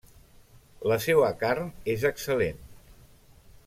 La seua carn és excel·lent.